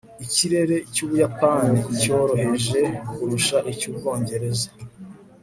ikirere cy'ubuyapani cyoroheje kurusha icy'ubwongereza